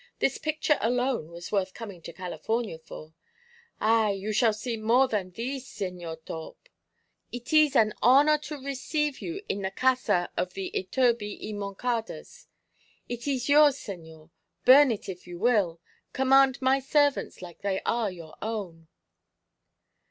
"This picture alone was worth coming to California for." "Ay! You shall see more than theese, Señor Torp. It ees an honour to receive you in the casa of the Iturbi y Moncadas. It ees yours, señor, burn it if you will. Command my servants like they are your own."